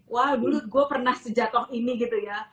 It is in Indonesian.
wah dulu gue pernah sejatoh ini gitu ya